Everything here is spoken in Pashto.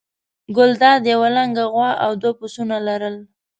ګلداد یوه لنګه غوا او دوه پسونه لرل.